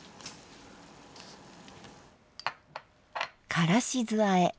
「からし酢あえ」。